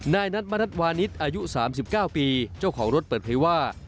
นายนัทมณัฐวานิสอายุ๓๙ปีเจ้าของรถเปิดเผยว่า